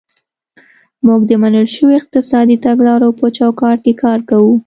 موږ د منل شویو اقتصادي تګلارو په چوکاټ کې کار کوو.